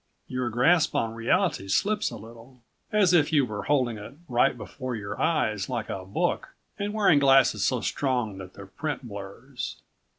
Your grasp on reality slips a little, as if you were holding it right before your eyes like a book, and wearing glasses so strong that the print blurs.